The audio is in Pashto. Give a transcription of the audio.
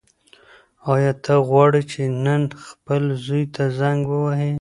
ایا ته غواړې چې نن خپل زوی ته زنګ ووهې؟